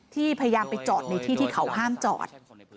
พยายามไปจอดในที่ที่เขาห้ามจอด